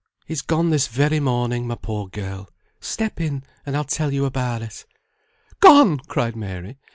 "He's gone this very morning, my poor girl. Step in, and I'll tell you about it." "Gone!" cried Mary.